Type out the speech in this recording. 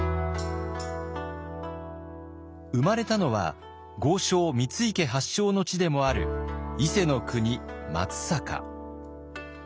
生まれたのは豪商三井家発祥の地でもある伊勢の国松阪。